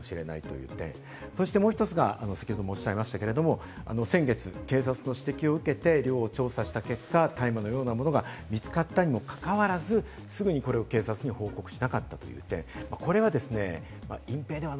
このとき徹底的な調査をしておけば、もしかしたら、もっと早く手が打てたかもしれないという点、そしてもう１つが先ほどもおっしゃいましたけれども、先月、警察の指摘を受けて寮を調査した結果、大麻のようなものが見つかったにもかかわらず、すぐにこれを警察に報告しなかったという点。